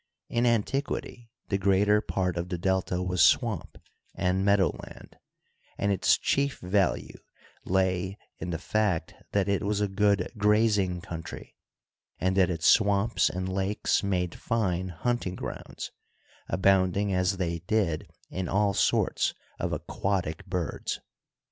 In an tiquity the greater part of the Delta was swamp and meadow land ; and its chief value lay in the fact that it was a good grazing country, and that its swamps and lakes made fine hunting grounds, abounding as they did in all sorts of aquatic birds.